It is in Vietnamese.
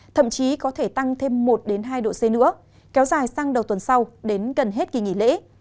thậm chí có thể tăng thêm một hai độ c nữa kéo dài sang đầu tuần sau đến gần hết kỳ nghỉ lễ